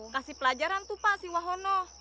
kasih pelajaran tuh pak si wahono